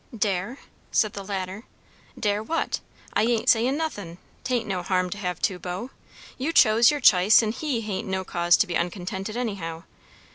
"Dare?" said the latter. "Dare what? I ain't saying nothin'. 'Tain't no harm to have two beaux; you chose your ch'ice, and he hain't no cause to be uncontented, anyhow.